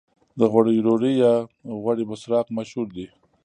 د غوړیو ډوډۍ یا غوړي بسراق مشهور دي.